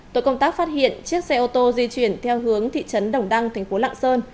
tội công tác phát hiện chiếc xe ô tô di chuyển theo hướng thị trấn đồng đăng thành phố lạng sơn